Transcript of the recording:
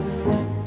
satu dua tiga